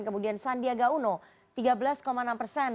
kemudian sandiaga uno tiga belas enam persen